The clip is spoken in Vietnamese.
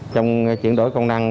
trong chuyển đổi công năng